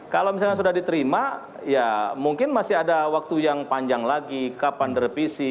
kalau misalnya sudah diterima ya mungkin masih ada waktu yang panjang lagi kapan direvisi